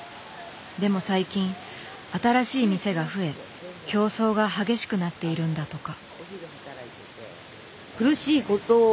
でも最近新しい店が増え競争が激しくなっているんだとか。